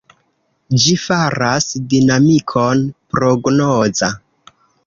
Ĝi faras dinamikon prognoza.